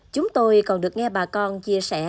chúng tôi còn được nghe bà con chia sẻ